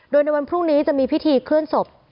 โดยในวันพรุ่งนี้จะมีพิธีเคลื่อนศพ